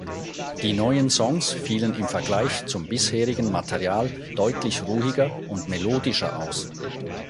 Die neuen Songs fielen im Vergleich zum bisherigen Material deutlich ruhiger und melodischer aus.